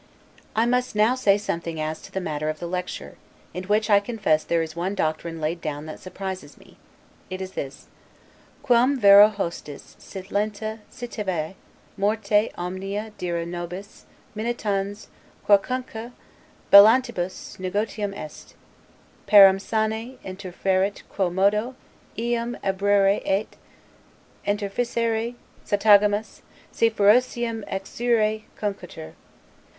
I must now say something as to the matter of the "Lecture," in which I confess there is one doctrine laid down that surprises me: It is this, 'Quum vero hostis sit lenta citave morte omnia dira nobis minitans quocunque bellantibus negotium est; parum sane interfuerit quo modo eum obruere et interficere satagamus, si ferociam exuere cunctetur.